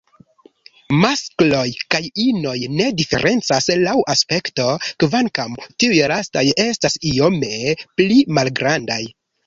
Maskloj kaj inoj ne diferencas laŭ aspekto, kvankam tiuj lastaj estas iome pli malgrandaj.